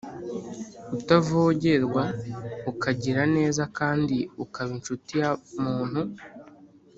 utavogerwa, ukagira neza kandi ukaba incuti ya muntu,